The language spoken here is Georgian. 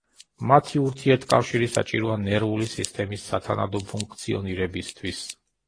მათი ურთიერთკავშირი საჭიროა ნერვული სისტემის სათანადო ფუნქციონირებისთვის.